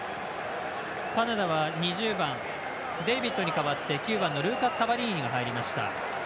カナダは２０番デイビッドに代わって９番のルーカス・カバリーニが入りました。